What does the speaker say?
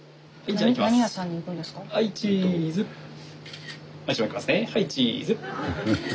はいチーズ。